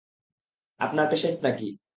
আপনার পেশেন্ট নাকি?